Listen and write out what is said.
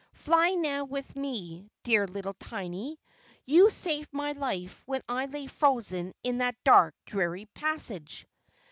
Fly now with me, dear little Tiny! You saved my life when I lay frozen in that dark, dreary passage."